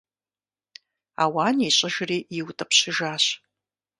Ауан ищӀыжри иутӀыпщыжащ.